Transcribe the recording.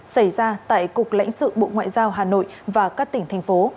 xảy ra tại cục lãnh sự bộ ngoại giao hà nội và các tỉnh thành phố